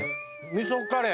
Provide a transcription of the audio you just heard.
味噌カレー。